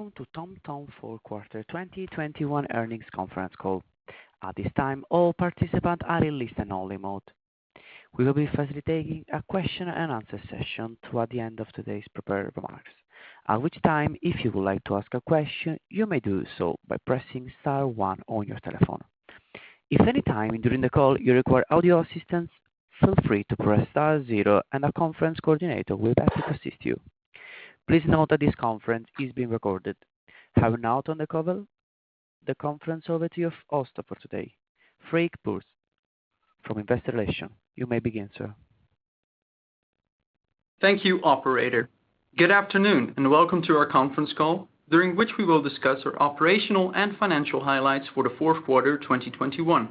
Welcome to TomTom fourth quarter 2021 earnings conference call. At this time, all participants are in listen only mode. We will be facilitating a question and answer session toward the end of today's prepared remarks. At which time, if you would like to ask a question, you may do so by pressing star one on your telephone. If any time during the call you require audio assistance, feel free to press star zero and a conference coordinator will be happy to assist you. Please note that this conference is being recorded. Having now turned the conference over to your host for today, Freek Borst from Investor Relations. You may begin, sir. Thank you, operator. Good afternoon, and welcome to our conference call, during which we will discuss our operational and financial highlights for the fourth quarter, 2021.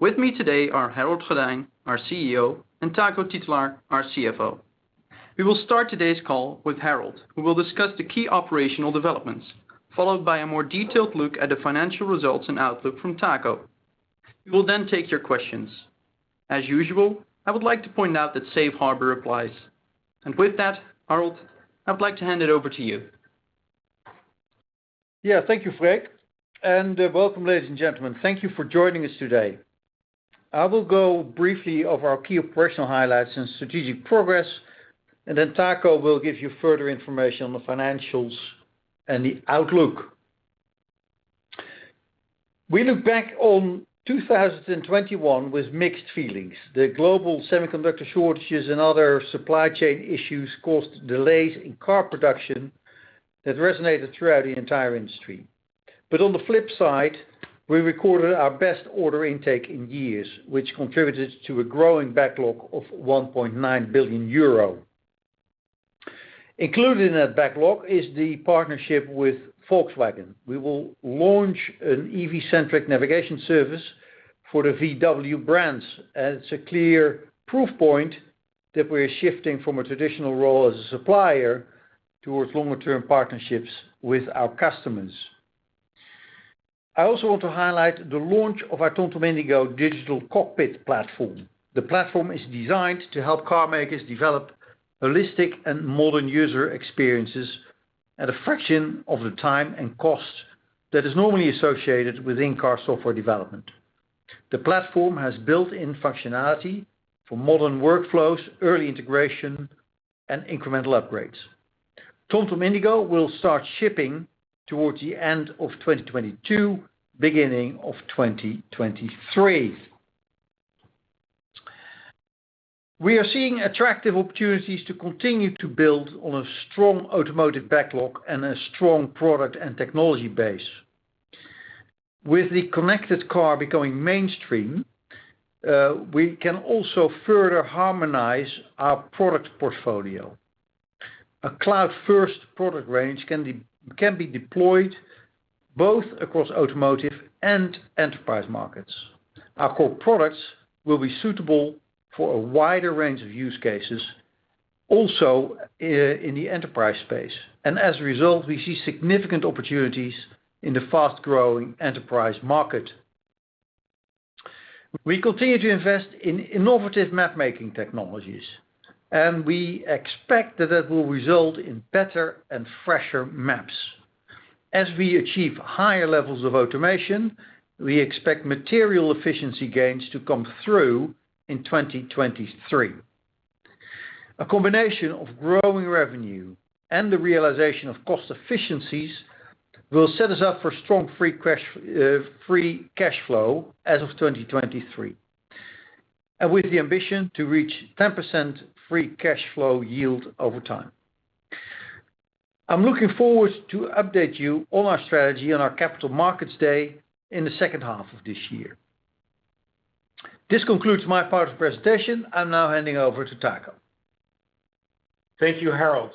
With me today are Harold Goddijn, our CEO, and Taco Titulaer, our CFO. We will start today's call with Harold, who will discuss the key operational developments, followed by a more detailed look at the financial results and outlook from Taco. We will then take your questions. As usual, I would like to point out that safe harbor applies. With that, Harold, I'd like to hand it over to you. Yeah. Thank you, Freek, and welcome, ladies and gentlemen. Thank you for joining us today. I will go briefly over our key operational highlights and strategic progress, and then Taco will give you further information on the financials and the outlook. We look back on 2021 with mixed feelings. The global semiconductor shortages and other supply chain issues caused delays in car production that resonated throughout the entire industry. On the flip side, we recorded our best order intake in years, which contributed to a growing backlog of 1.9 billion euro. Included in that backlog is the partnership with Volkswagen. We will launch an EV-centric navigation service for the VW brands, and it's a clear proof point that we're shifting from a traditional role as a supplier towards longer term partnerships with our customers. I also want to highlight the launch of our TomTom IndiGO digital cockpit platform. The platform is designed to help car makers develop holistic and modern user experiences at a fraction of the time and cost that is normally associated with in-car software development. The platform has built-in functionality for modern workflows, early integration, and incremental upgrades. TomTom IndiGO will start shipping towards the end of 2022, beginning of 2023. We are seeing attractive opportunities to continue to build on a strong automotive backlog and a strong product and technology base. With the connected car becoming mainstream, we can also further harmonize our product portfolio. A cloud-first product range can be deployed both across automotive and enterprise markets. Our core products will be suitable for a wider range of use cases also in the enterprise space. As a result, we see significant opportunities in the fast-growing enterprise market. We continue to invest in innovative map-making technologies, and we expect that will result in better and fresher maps. As we achieve higher levels of automation, we expect material efficiency gains to come through in 2023. A combination of growing revenue and the realization of cost efficiencies will set us up for strong free cash flow as of 2023, and with the ambition to reach 10% free cash flow yield over time. I'm looking forward to update you on our strategy on our Capital Markets Day in the second half of this year. This concludes my part of the presentation. I'm now handing over to Taco. Thank you, Harold.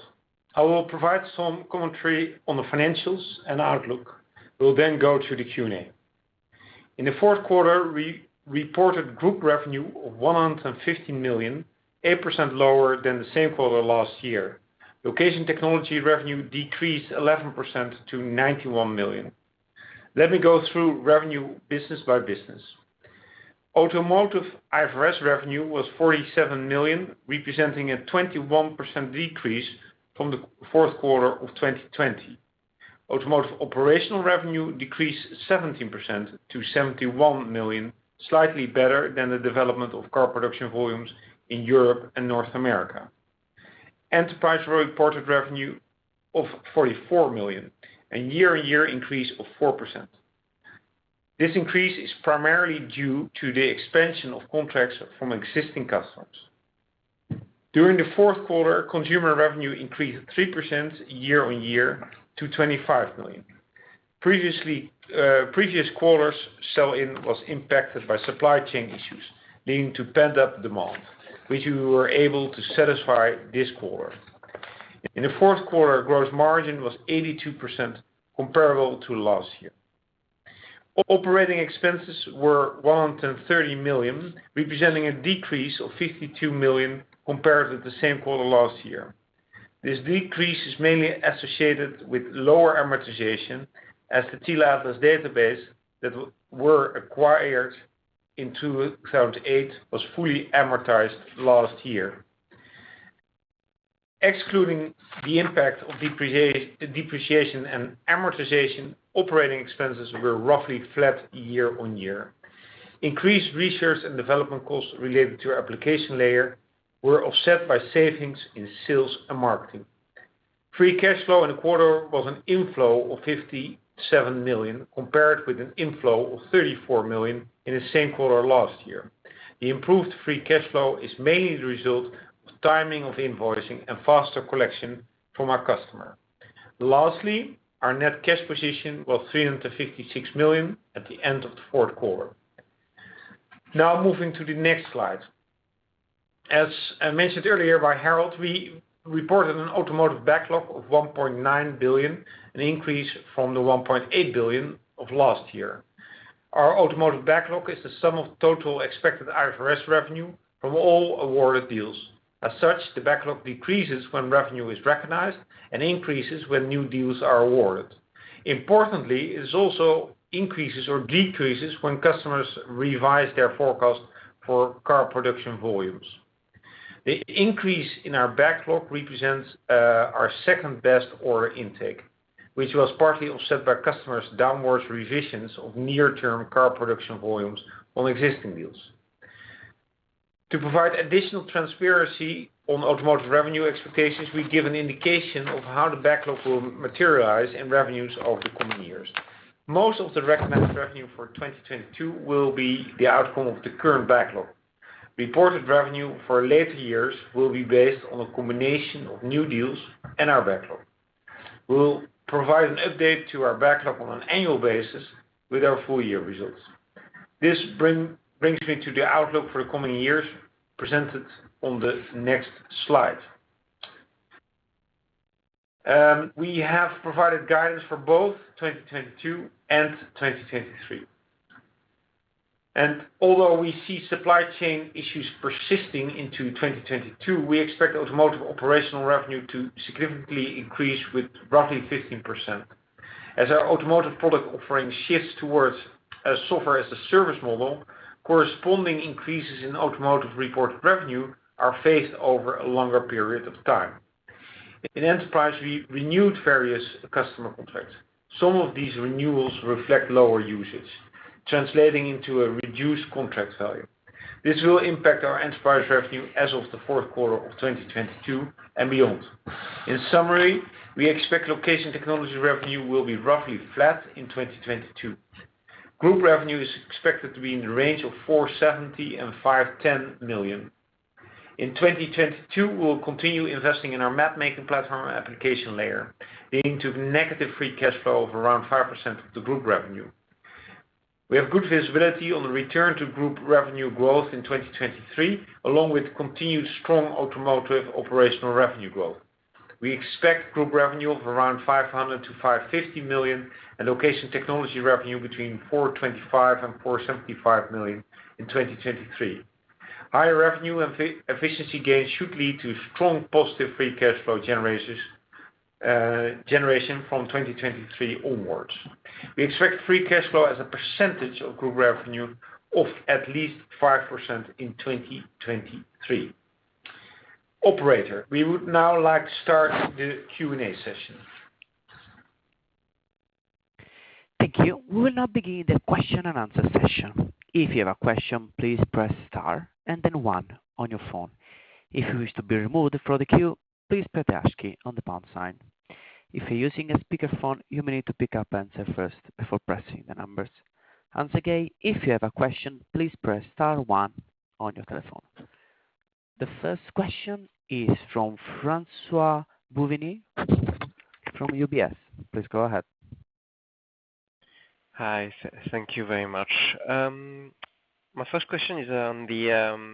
I will provide some commentary on the financials and outlook. We'll then go to the Q&A. In the fourth quarter, we reported group revenue of 115 million, 8% lower than the same quarter last year. Location technology revenue decreased 11% to 91 million. Let me go through revenue business by business. Automotive IFRS revenue was 47 million, representing a 21% decrease from the fourth quarter of 2020. Automotive operational revenue decreased 17% to 71 million, slightly better than the development of car production volumes in Europe and North America. Enterprise reported revenue of 44 million, a year-on-year increase of 4%. This increase is primarily due to the expansion of contracts from existing customers. During the fourth quarter, consumer revenue increased 3% year-on-year to EUR 25 million. Previous quarter's sell-in was impacted by supply chain issues, leading to pent-up demand, which we were able to satisfy this quarter. In the fourth quarter, gross margin was 82% comparable to last year. Operating expenses were 130 million, representing a decrease of 52 million compared with the same quarter last year. This decrease is mainly associated with lower amortization as the Tele Atlas database that were acquired in 2008 was fully amortized last year. Excluding the impact of depreciation and amortization, operating expenses were roughly flat year-on-year. Increased research and development costs related to our application layer were offset by savings in sales and marketing. Free cash flow in the quarter was an inflow of 57 million, compared with an inflow of 34 million in the same quarter last year. The improved free cash flow is mainly the result of timing of invoicing and faster collection from our customer. Lastly, our net cash position was 356 million at the end of the fourth quarter. Now moving to the next slide. As mentioned earlier by Harold, we reported an automotive backlog of 1.9 billion, an increase from the 1.8 billion of last year. Our automotive backlog is the sum of total expected IFRS revenue from all awarded deals. As such, the backlog decreases when revenue is recognized and increases when new deals are awarded. Importantly, it also increases or decreases when customers revise their forecast for car production volumes. The increase in our backlog represents our second-best order intake, which was partly offset by customers' downward revisions of near-term car production volumes on existing deals. To provide additional transparency on automotive revenue expectations, we give an indication of how the backlog will materialize in revenues over the coming years. Most of the recognized revenue for 2022 will be the outcome of the current backlog. Reported revenue for later years will be based on a combination of new deals and our backlog. We'll provide an update to our backlog on an annual basis with our full year results. This brings me to the outlook for the coming years, presented on the next slide. We have provided guidance for both 2022 and 2023. Although we see supply chain issues persisting into 2022, we expect automotive operational revenue to significantly increase with roughly 15%. As our automotive product offering shifts towards a software as a service model, corresponding increases in automotive reported revenue are phased over a longer period of time. In enterprise, we renewed various customer contracts. Some of these renewals reflect lower usage, translating into a reduced contract value. This will impact our enterprise revenue as of the fourth quarter of 2022 and beyond. In summary, we expect location technology revenue will be roughly flat in 2022. Group revenue is expected to be in the range of 470 million-510 million. In 2022, we will continue investing in our map making platform and application layer, leading to negative free cash flow of around 5% of the group revenue. We have good visibility on the return to group revenue growth in 2023, along with continued strong automotive operational revenue growth. We expect group revenue of around 500 million-550 million and location technology revenue between 425 million-475 million in 2023. Higher revenue efficiency gains should lead to strong positive free cash flow generation from 2023 onwards. We expect free cash flow as a percentage of group revenue of at least 5% in 2023. Operator, we would now like to start the Q&A session. Thank you. We will now begin the question and answer session. If you have a question, please press star and then one on your phone. If you wish to be removed from the queue, please press hash key on the pound sign. If you're using a speakerphone, you may need to pick up and answer first before pressing the numbers. Once again, if you have a question, please press star one on your telephone. The first question is from François-Xavier Bouvignies from UBS. Please go ahead. Hi. Thank you very much. My first question is on the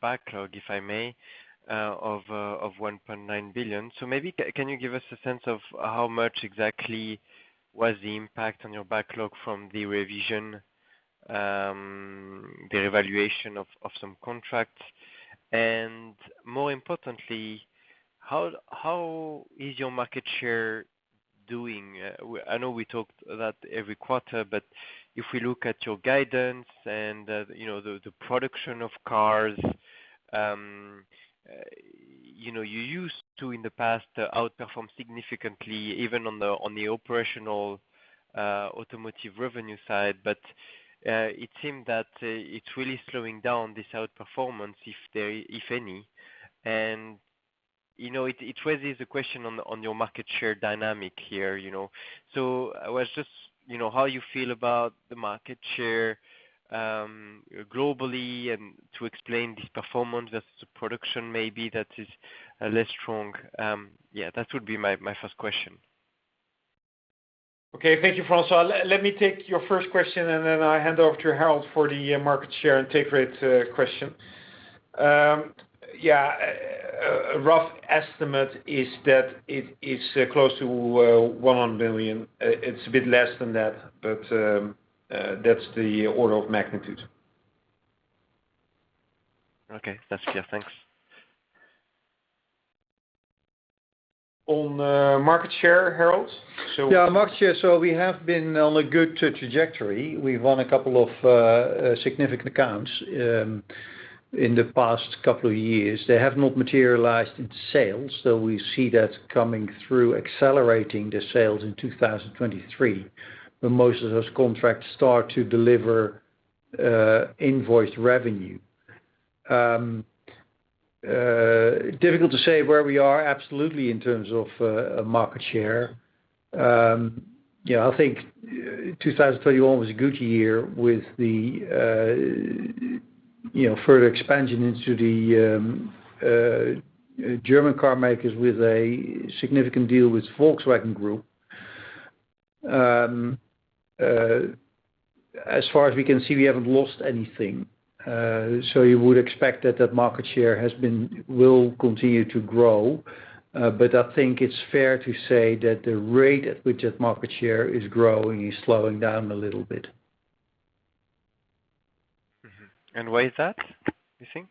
backlog, if I may, of 1.9 billion. So maybe can you give us a sense of how much exactly was the impact on your backlog from the revision, the evaluation of some contracts? And more importantly, how is your market share doing? I know we talk that every quarter, but if we look at your guidance and, you know, the production of cars, you know, you used to, in the past, outperform significantly even on the operational, automotive revenue side. It seemed that, it's really slowing down, this outperformance, if any. You know, it raises a question on your market share dynamic here, you know? I was just, you know, how you feel about the market share globally, and to explain this performance versus the production maybe that is less strong. Yeah, that would be my first question. Okay. Thank you, François. Let me take your first question, and then I hand off to Harold for the market share and take rate question. A rough estimate is that it is close to 1 billion. It's a bit less than that, but that's the order of magnitude. Okay. That's clear. Thanks. On market share, Harold. Yeah, market share. We have been on a good trajectory. We won a couple of significant accounts in the past couple of years. They have not materialized into sales, so we see that coming through accelerating the sales in 2023, when most of those contracts start to deliver invoice revenue. Difficult to say where we are absolutely in terms of market share. You know, I think 2021 was a good year with the, you know, further expansion into the German car makers with a significant deal with Volkswagen Group. As far as we can see, we haven't lost anything. You would expect that market share will continue to grow. I think it's fair to say that the rate at which that market share is growing is slowing down a little bit. Why is that, you think?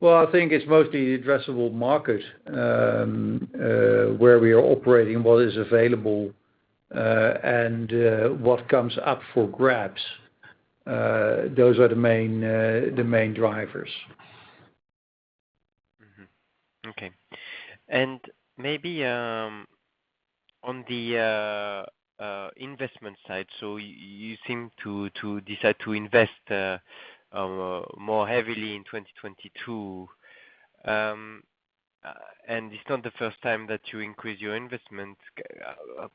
Well, I think it's mostly addressable market, where we are operating, what is available, and what comes up for grabs. Those are the main drivers. Okay. Maybe on the investment side, so you seem to decide to invest more heavily in 2022. It's not the first time that you increase your investment.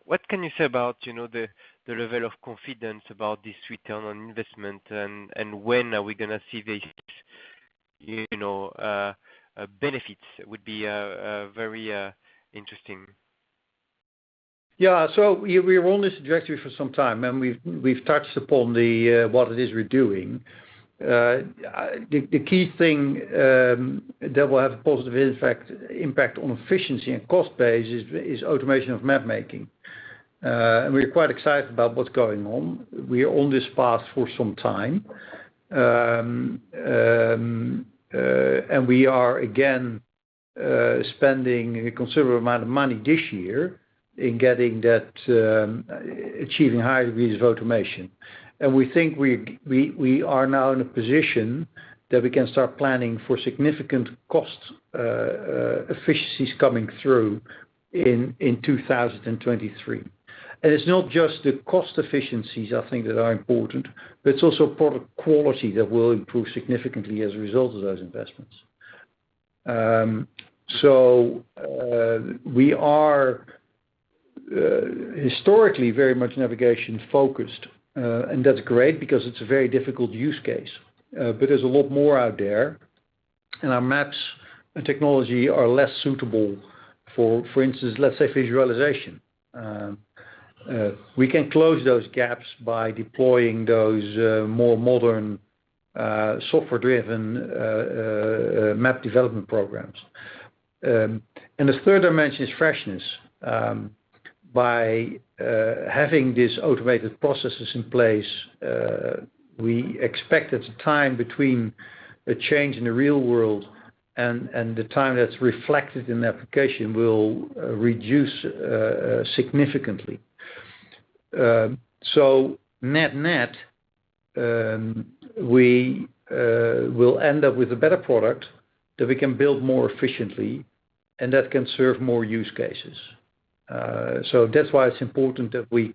What can you say about, you know, the level of confidence about this return on investment and when are we gonna see these, you know, benefits would be very interesting. Yeah. We are on this trajectory for some time, and we've touched upon the what it is we're doing. The key thing that will have a positive effect, impact on efficiency and cost base is automation of mapmaking. We are quite excited about what's going on. We are on this path for some time. We are again spending a considerable amount of money this year in getting that achieving high degrees of automation. We think we are now in a position that we can start planning for significant cost efficiencies coming through in 2023. It's not just the cost efficiencies, I think, that are important, but it's also product quality that will improve significantly as a result of those investments. We are historically very much navigation-focused, and that's great because it's a very difficult use case. There's a lot more out there, and our maps and technology are less suitable for instance, let's say visualization. We can close those gaps by deploying those more modern software-driven map development programs. The third dimension is freshness. By having these automated processes in place, we expect that the time between a change in the real world and the time that's reflected in the application will reduce significantly. Net-net, we will end up with a better product that we can build more efficiently and that can serve more use cases. That's why it's important that we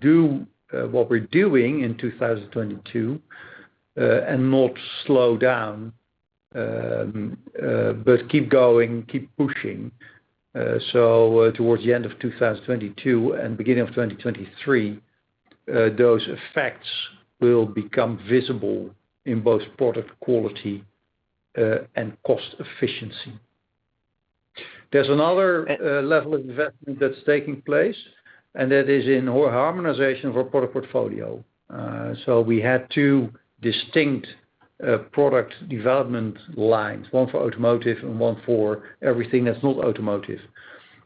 do what we're doing in 2022 and not slow down, but keep going, keep pushing. Towards the end of 2022 and beginning of 2023, those effects will become visible in both product quality and cost efficiency. There's another level of investment that's taking place, and that is in harmonization of our product portfolio. We had two distinct product development lines, one for automotive and one for everything that's not automotive.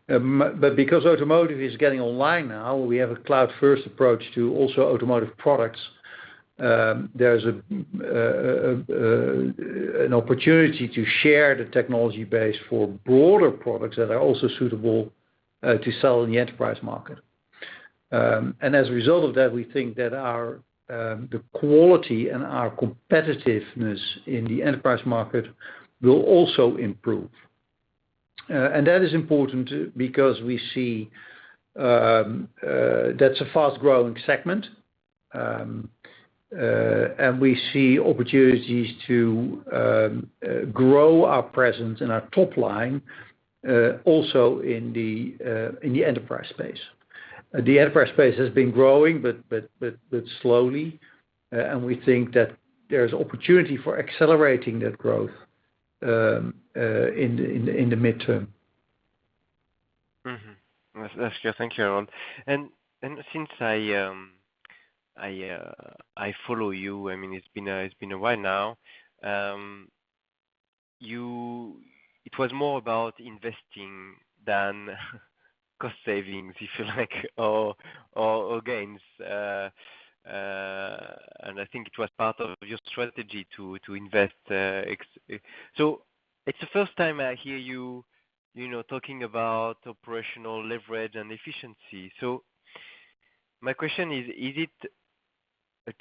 But because automotive is getting online now, we have a cloud-first approach to also automotive products, there's an opportunity to share the technology base for broader products that are also suitable to sell in the enterprise market. As a result of that, we think that our quality and our competitiveness in the enterprise market will also improve. That is important because we see that that's a fast-growing segment, and we see opportunities to grow our presence and our top line also in the enterprise space. The enterprise space has been growing but slowly, and we think that there's opportunity for accelerating that growth in the midterm. Mm-hmm. That's clear. Thank you, Harold. Since I follow you, I mean, it's been a while now. It was more about investing than cost savings, if you like, or gains. I think it was part of your strategy to invest. It's the first time I hear you know, talking about operational leverage and efficiency. My question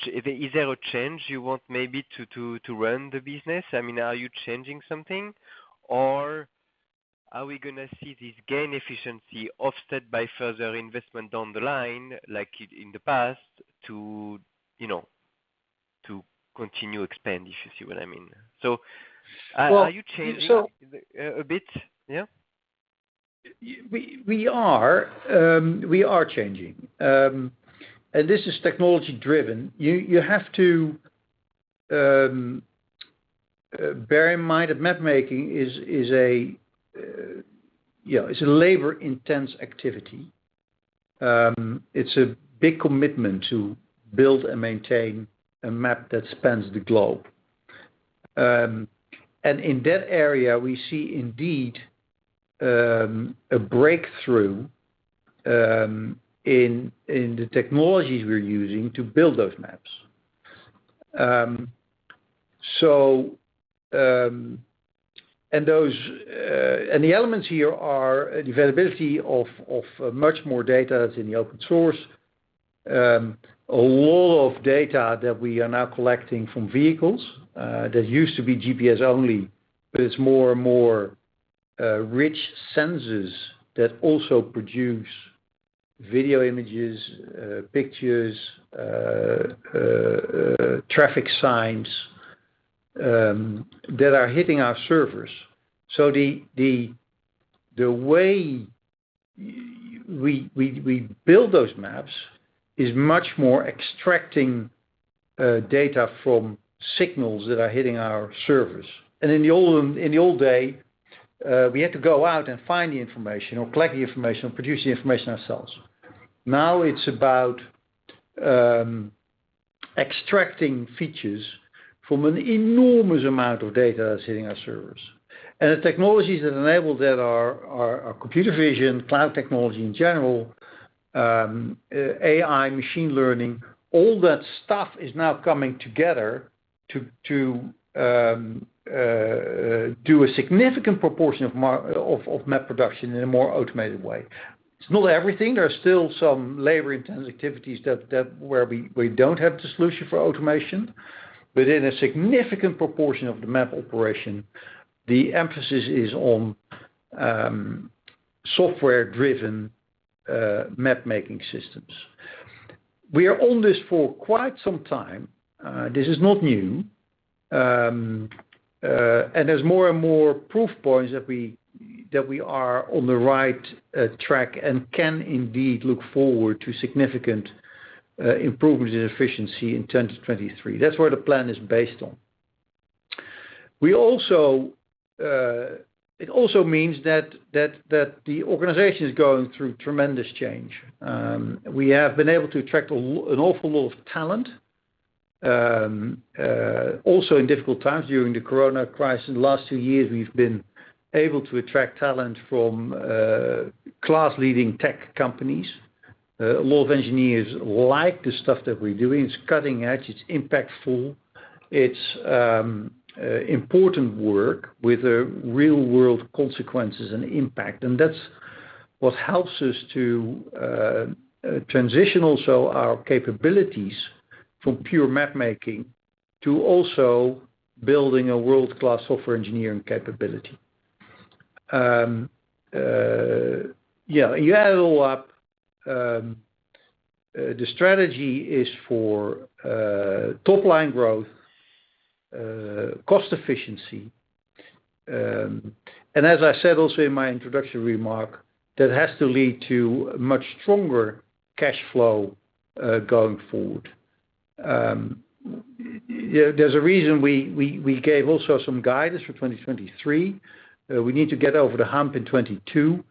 is there a change you want maybe to run the business? I mean, are you changing something or are we gonna see this efficiency gain offset by further investment down the line like it was in the past to, you know, to continue expand, if you see what I mean. Are you changing a bit? Yeah. We are changing. This is technology-driven. You have to bear in mind that mapmaking is a, you know, labor-intensive activity. It's a big commitment to build and maintain a map that spans the globe. In that area, we see indeed a breakthrough in the technologies we're using to build those maps. The elements here are the availability of much more data that's in the open source. A lot of data that we are now collecting from vehicles that used to be GPS only, but it's more and more rich sensors that also produce video images, pictures, traffic signs that are hitting our servers. The way we build those maps is much more extracting data from signals that are hitting our servers. In the old days, we had to go out and find the information or collect the information or produce the information ourselves. Now it's about extracting features from an enormous amount of data that's hitting our servers. The technologies that enable that are computer vision, cloud technology in general, AI, machine learning. All that stuff is now coming together to do a significant proportion of map production in a more automated way. It's not everything. There are still some labor-intensive activities that, where we don't have the solution for automation, but in a significant proportion of the map operation, the emphasis is on software-driven mapmaking systems. We are on this for quite some time. This is not new. There's more and more proof points that we are on the right track and can indeed look forward to significant improvements in efficiency in 2023. That's where the plan is based on. It also means that the organization is going through tremendous change. We have been able to attract an awful lot of talent, also in difficult times during the corona crisis. The last 2 years, we've been able to attract talent from class leading tech companies. A lot of engineers like the stuff that we're doing. It's cutting edge, it's impactful, it's important work with real world consequences and impact. That's what helps us to transition also our capabilities from pure mapmaking to also building a world-class software engineering capability. You add it all up, the strategy is for top line growth, cost efficiency. As I said also in my introduction remark, that has to lead to much stronger cash flow going forward. You know, there's a reason we gave also some guidance for 2023. We need to get over the hump in 2022,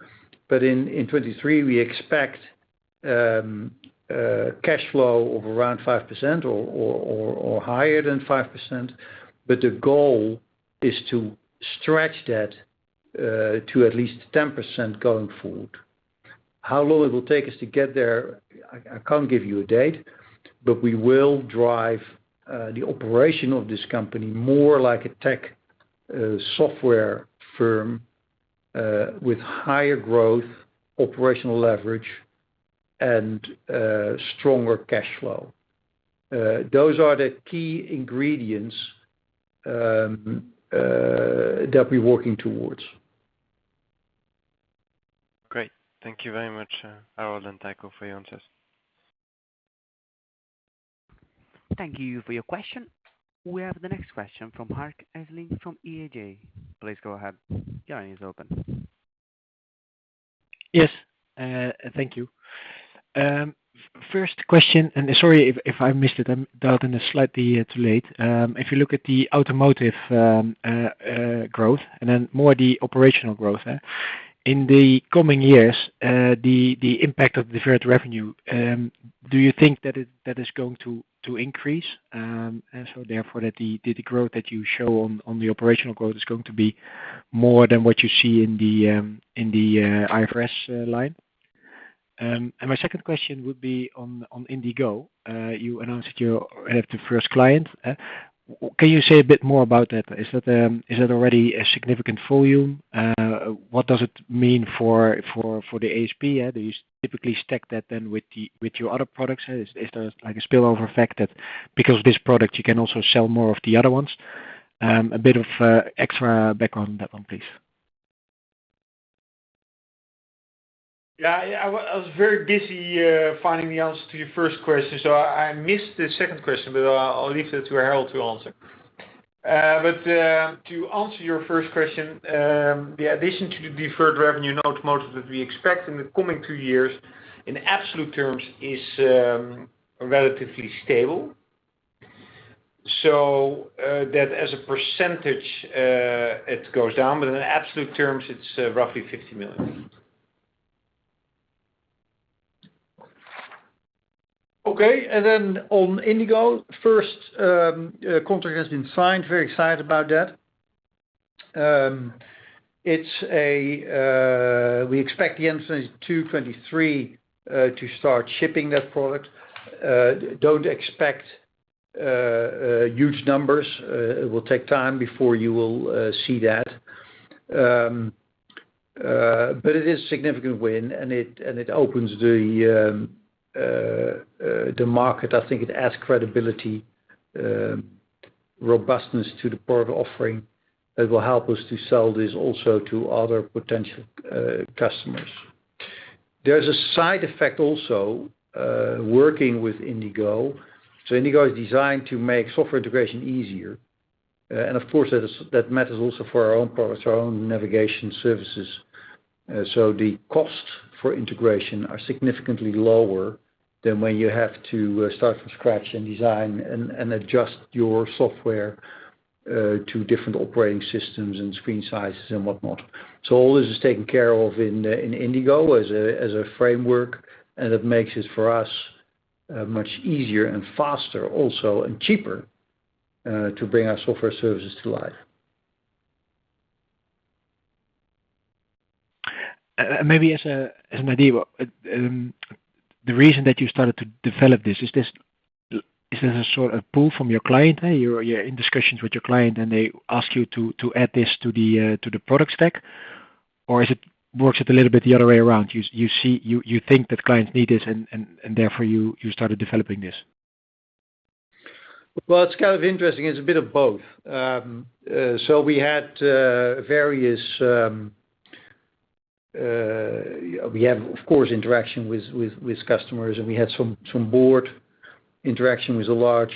but in 2023, we expect cash flow of around 5% or higher than 5%. The goal is to stretch that to at least 10% going forward. How long it will take us to get there, I can't give you a date, but we will drive the operation of this company more like a tech software firm with higher growth, operational leverage, and stronger cash flow. Those are the key ingredients that we're working towards. Great. Thank you very much, Harold and Taco, for your answers. Thank you for your question. We have the next question from Marc Hesselink from ING. Please go ahead. Your line is open. Yes, thank you. First question, and sorry if I missed it, I'm dialed in slightly too late. If you look at the automotive growth and then more the operational growth in the coming years, the impact of deferred revenue, do you think that it is going to increase? Therefore, the growth that you show on the operational growth is going to be more than what you see in the IFRS line? My second question would be on IndiGO. You announced that you had the first client. Can you say a bit more about that? Is that already a significant volume? What does it mean for the ASP, yeah? Do you typically stack that then with your other products? Is there like a spillover effect that because this product, you can also sell more of the other ones? A bit of extra background on that one, please. Yeah. I was very busy finding the answer to your first question, so I missed the second question, but I'll leave that to Harold to answer. To answer your first question, the addition to the deferred revenue in automotive that we expect in the coming 2 years, in absolute terms is relatively stable. So, that as a percentage, it goes down, but in absolute terms, it's roughly 50 million. Okay. On IndiGO, first contract has been signed. Very excited about that. We expect the end of 2023 to start shipping that product. Don't expect huge numbers. It will take time before you will see that. It is a significant win, and it opens the market. I think it adds credibility, robustness to the product offering that will help us to sell this also to other potential customers. There's a side effect also working with IndiGO. IndiGO is designed to make software integration easier. Of course, that matters also for our own products, our own navigation services. The costs for integration are significantly lower than when you have to start from scratch and design and adjust your software to different operating systems and screen sizes and whatnot. All this is taken care of in IndiGO as a framework, and it makes it for us much easier and faster also, and cheaper to bring our software services to life. Maybe as an idea, the reason that you started to develop this, is this a sort of pull from your client? You're in discussions with your client, and they ask you to add this to the product stack? Or does it work a little bit the other way around? You think that clients need this and therefore you started developing this. Well, it's kind of interesting. It's a bit of both. We have, of course, interaction with customers, and we had some broad interaction with a large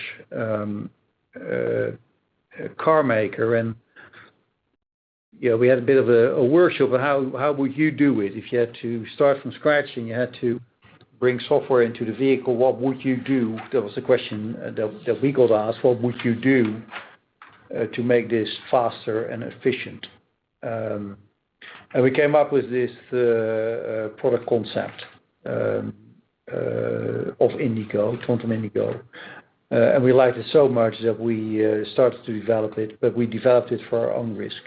car maker. You know, we had a bit of a workshop on how would you do it? If you had to start from scratch and you had to bring software into the vehicle, what would you do? That was the question that we got asked. What would you do to make this faster and efficient? We came up with this product concept of IndiGO, TomTom IndiGO. We liked it so much that we started to develop it, but we developed it at our own risk.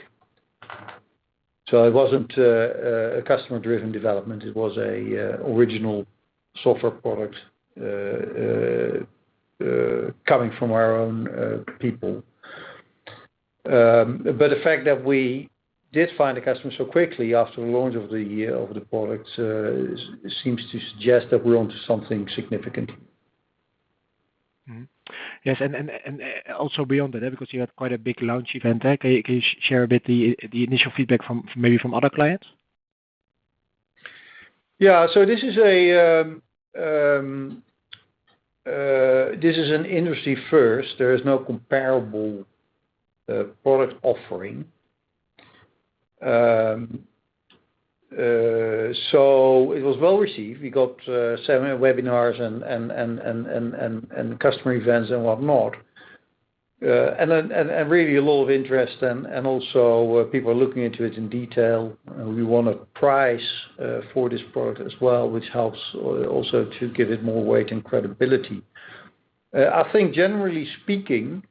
It wasn't a customer-driven development. It was a original software product coming from our own people. The fact that we did find a customer so quickly after the launch of the product seems to suggest that we're onto something significant. Yes, and also beyond that, because you had quite a big launch event. Can you share a bit the initial feedback from maybe other clients? Yeah. This is an industry first. There is no comparable product offering. It was well received. We got seven webinars and customer events and whatnot. Then really a lot of interest and also people are looking into it in detail. We won a prize for this product as well, which helps also to give it more weight and credibility. I think generally speaking,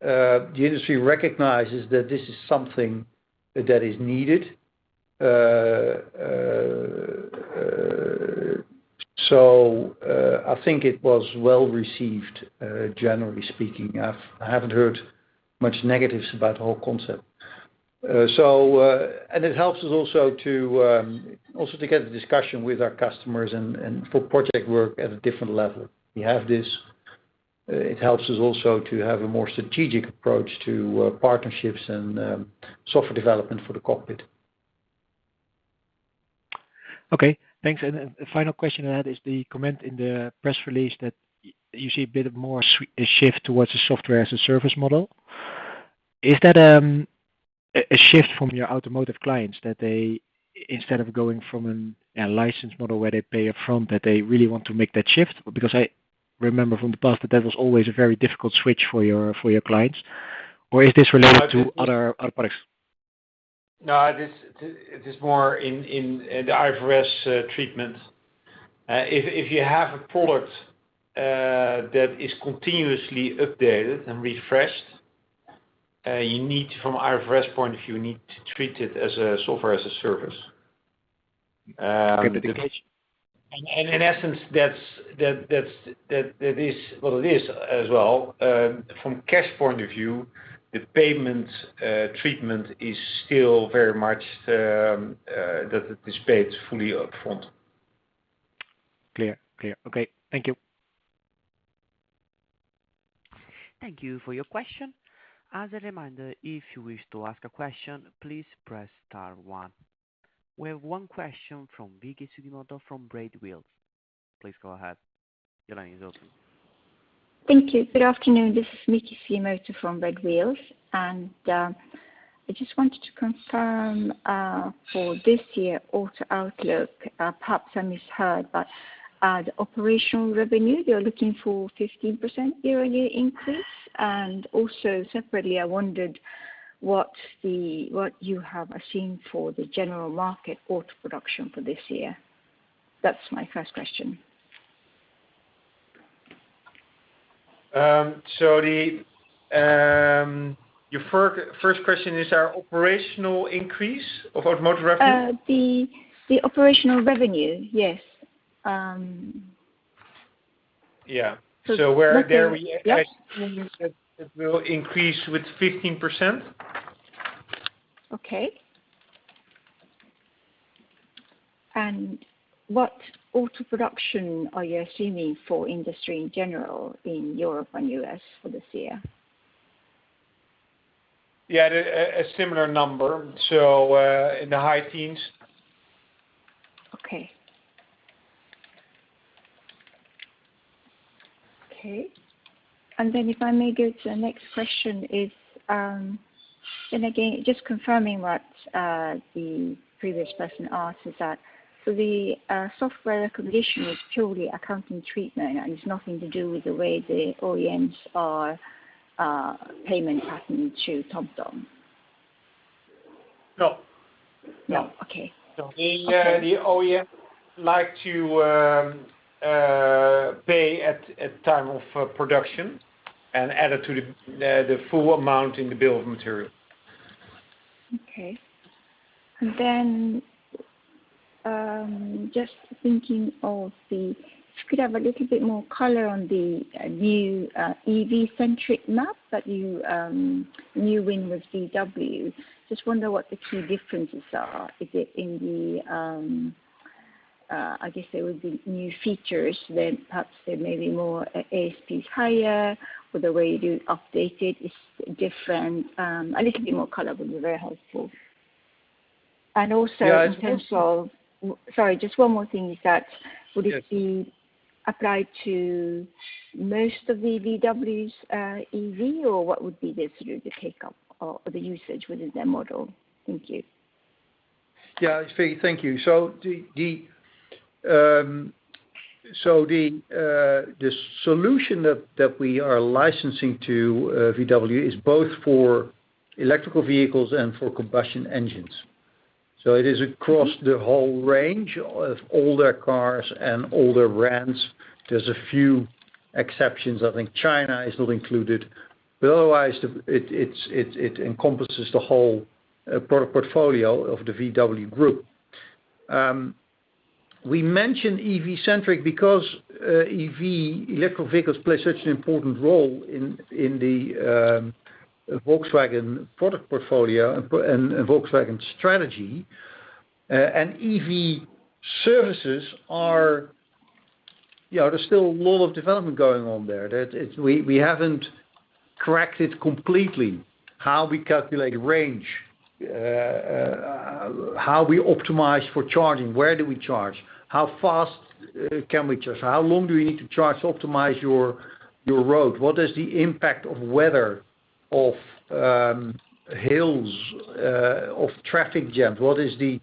the industry recognizes that this is something that is needed. I think it was well received generally speaking. I haven't heard much negatives about the whole concept. It helps us also to get the discussion with our customers and for project work at a different level. We have this. It helps us also to have a more strategic approach to partnerships and software development for the cockpit. Okay. Thanks. Final question I had is the comment in the press release that you see a bit more shift towards a software as a service model. Is that a shift from your automotive clients, that they instead of going from a license model where they pay up front, that they really want to make that shift? Because I remember from the past that was always a very difficult switch for your clients. Or is this related to other products? No, it is more in the IFRS treatment. If you have a product that is continuously updated and refreshed You need from IFRS point of view to treat it as a software as a service. In essence, that's what it is as well. From cash point of view, the payment treatment is still very much that it is paid fully up front. Clear. Okay. Thank you. Thank you for your question. As a reminder, if you wish to ask a question, please press star one. We have one question from Miki Sugimoto from Redwheel. Please go ahead. Your line is open. Thank you. Good afternoon. This is Miki Sugimoto from Redwheel. I just wanted to confirm, for this year auto outlook, perhaps I misheard, but, the operational revenue, you're looking for 15% year-on-year increase. Also separately, I wondered what you have assumed for the general market auto production for this year. That's my first question. Your first question is our operational increase of automotive revenue? The operational revenue. Yes. Yeah. Yes. It will increase with 15%. Okay. What auto production are you assuming for industry in general in Europe and U.S. for this year? Yeah, a similar number, so, in the high teens. Okay. If I may go to the next question, and again, just confirming what the previous person asked, is that the software recognition is purely accounting treatment and it's nothing to do with the way the OEMs are paying to TomTom? No. No. Okay. No. Okay. The OEM like to pay at time of production and add it to the full amount in the bill of material. Okay. If you could have a little bit more color on the new EV centric map that you new win with VW. Just wonder what the key differences are. Is it in the, I guess there would be new features, then perhaps there may be higher ASPs, or the way you update it is different. A little bit more color would be very helpful. Also in terms of. Yeah. Sorry, just one more thing is that. Yes. Would it be applied to most of the VWs, EV, or what would be the sort of the take-up or the usage within their model? Thank you. Thank you. The solution that we are licensing to VW is both for electric vehicles and for combustion engines. It is across the whole range of all their cars and all their brands. There's a few exceptions. I think China is not included, but otherwise it encompasses the whole product portfolio of the VW Group. We mention EV-centric because EV, electric vehicles, play such an important role in the Volkswagen product portfolio and Volkswagen strategy. EV services are. You know, there's still a lot of development going on there. We haven't cracked it completely. How we calculate range, how we optimize for charging, where do we charge? How fast can we charge? How long do we need to charge to optimize your road? What is the impact of weather, of hills, of traffic jams? What is the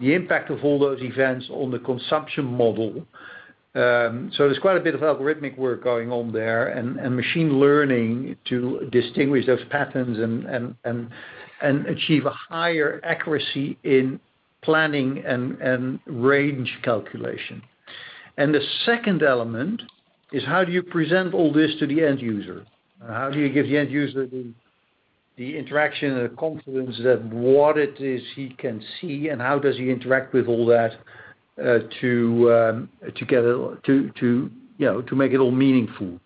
impact of all those events on the consumption model? There's quite a bit of algorithmic work going on there and machine learning to distinguish those patterns and achieve a higher accuracy in planning and range calculation. The second element is how do you present all this to the end user? How do you give the end user the interaction and the confidence that what it is he can see, and how does he interact with all that, to get it to you know, to make it all meaningful.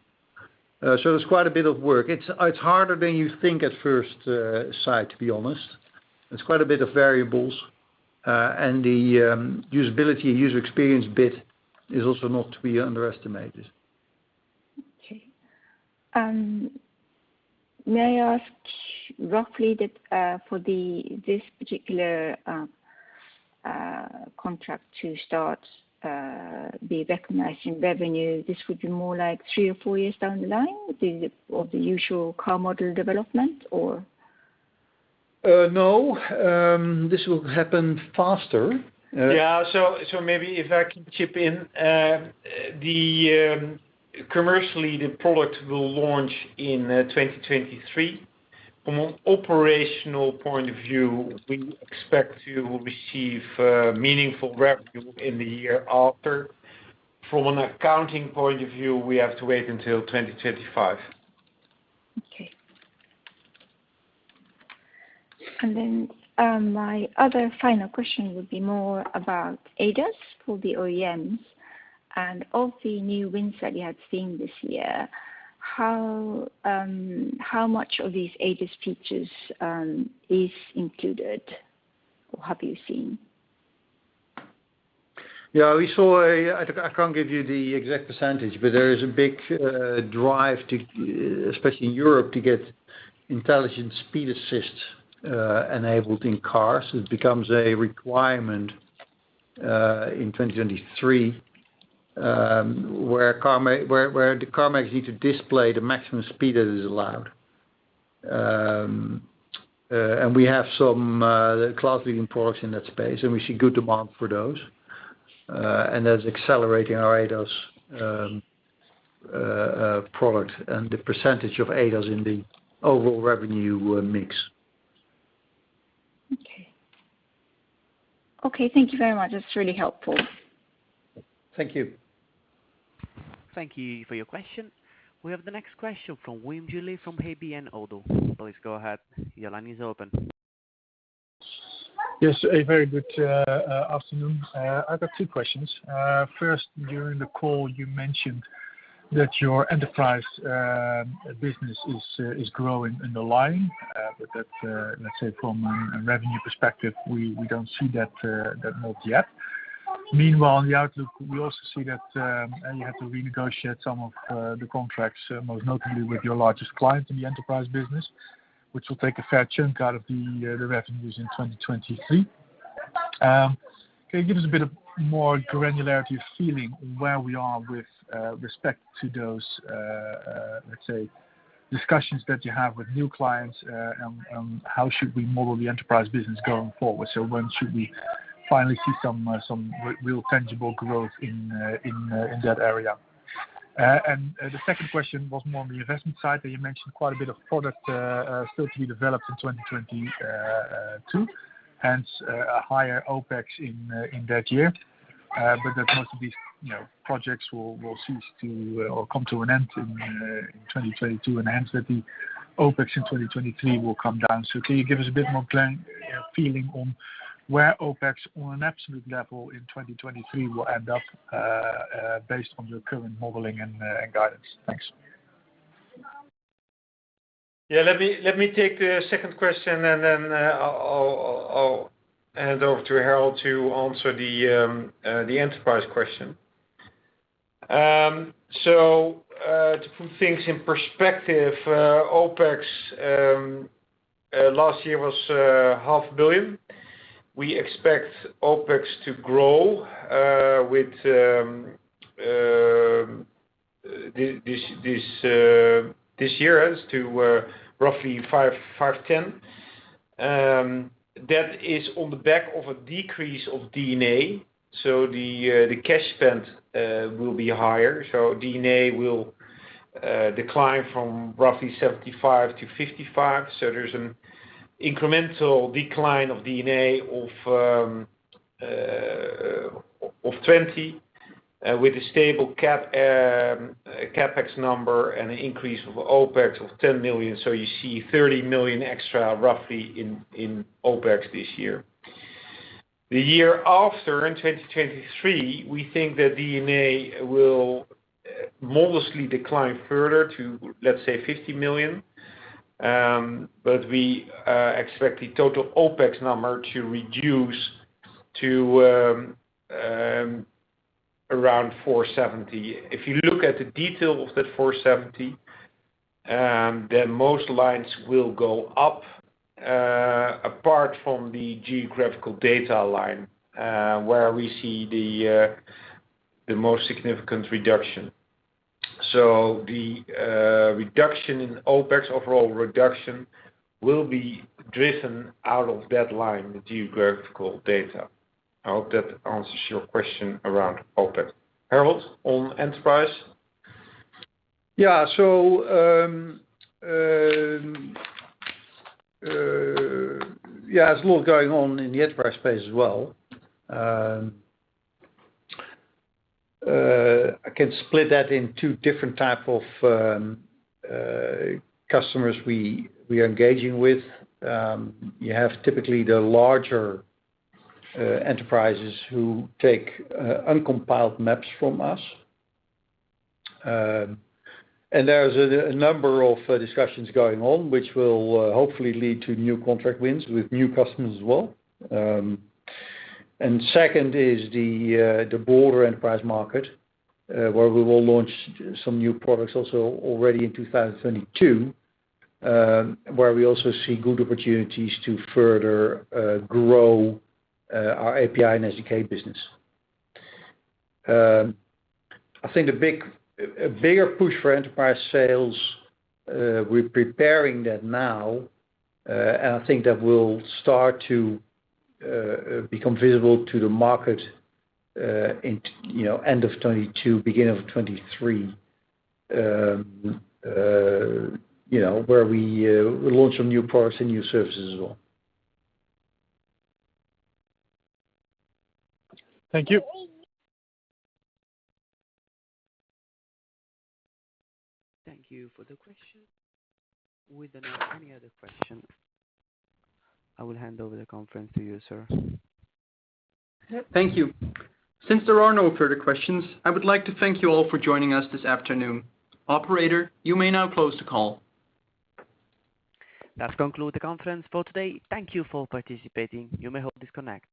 There's quite a bit of work. It's harder than you think at first sight, to be honest. There's quite a bit of variables. The usability and user experience bit is also not to be underestimated. Okay. May I ask, roughly, for this particular contract to start be recognized in revenue, this would be more like 3 or 4 years down the line with the usual car model development or? No, this will happen faster. Maybe if I can chip in, commercially, the product will launch in 2023. From operational point of view, we expect to receive meaningful revenue in the year after. From an accounting point of view, we have to wait until 2025. Okay. My other final question would be more about ADAS for the OEMs and of the new wins that you have seen this year, how much of these ADAS features is included or have you seen? Yeah, we saw. I can't give you the exact percentage, but there is a big drive to, especially in Europe, to get Intelligent Speed Assistance enabled in cars. It becomes a requirement in 2023, where the car makes you to display the maximum speed that is allowed. We have some class leading products in that space, and we see good demand for those. That's accelerating our ADAS product and the percentage of ADAS in the overall revenue mix. Okay. Okay, thank you very much. That's really helpful. Thank you. Thank you for your question. We have the next question from Wim Gille from ABN ODDO. Please go ahead. Your line is open. Yes, a very good afternoon. I've got two questions. First, during the call, you mentioned that your enterprise business is growing underlying, but that, let's say from a revenue perspective, we don't see that, not yet. Meanwhile, on the outlook, we also see that you have to renegotiate some of the contracts, most notably with your largest client in the enterprise business, which will take a fair chunk out of the revenues in 2023. Can you give us a bit more granularity or feeling where we are with respect to those, let's say, discussions that you have with new clients, and how should we model the enterprise business going forward? When should we finally see some real tangible growth in that area? The second question was more on the investment side. You mentioned quite a bit of product still to be developed in 2022, hence a higher OpEx in that year. Most of these, you know, projects will cease to or come to an end in 2022 and hence that the OpEx in 2023 will come down. Can you give us a bit more plan feeling on where OpEx on an absolute level in 2023 will end up based on your current modeling and guidance? Thanks. Yeah, let me take the second question and then I'll hand over to Harold to answer the enterprise question. To put things in perspective, OpEx last year was 500 billion. We expect OpEx to grow to roughly 510 million this year. That is on the back of a decrease of D&A. The cash spend will be higher. D&A will decline from roughly 75 million-55 million. There's an incremental decline of D&A of 20 million with a stable CapEx number and an increase of OpEx of 10 million. You see 30 million extra roughly in OpEx this year. The year after, in 2023, we think the D&A will modestly decline further to, let's say, 50 million. But we expect the total OpEx number to reduce to around 470 million. If you look at the detail of that 470 million, then most lines will go up, apart from the geographical data line, where we see the most significant reduction. The reduction in OpEx, overall reduction, will be driven out of that line, the geographical data. I hope that answers your question around OpEx. Harold, on Enterprise. There's a lot going on in the enterprise space as well. I can split that in two different type of customers we are engaging with. You have typically the larger enterprises who take uncompiled maps from us. There's a number of discussions going on which will hopefully lead to new contract wins with new customers as well. Second is the broader enterprise market, where we will launch some new products also already in 2022, where we also see good opportunities to further grow our API and SDK business. I think a bigger push for enterprise sales, we're preparing that now, and I think that will start to become visible to the market, you know, in the end of 2022, beginning of 2023, you know, where we'll launch some new products and new services as well. Thank you. Thank you for the question. With any other question, I will hand over the conference to you, sir. Thank you. Since there are no further questions, I would like to thank you all for joining us this afternoon. Operator, you may now close the call. That concludes the conference for today. Thank you for participating. You may all disconnect.